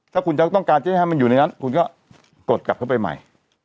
ถ้าคุณจะต้องการที่ให้มันอยู่ในนั้นคุณก็กดกลับเข้าไปใหม่